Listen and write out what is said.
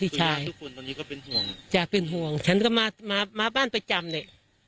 จะเป็นห่วงฉันก็มาบ้านประจำนี่